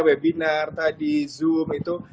webinar tadi zoom itu